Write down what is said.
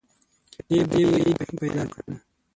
په دې به یې پیدا کړل.